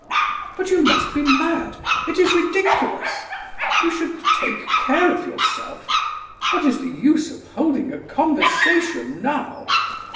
"But you must be mad! It is ridiculous! You should take care of yourself; what is the use of holding a conversation now?